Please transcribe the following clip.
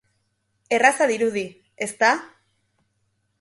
Erraza dirudi, ezta?